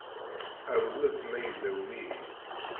Rewlet ma yella umihi.